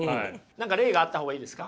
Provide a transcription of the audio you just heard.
何か例があった方がいいですか？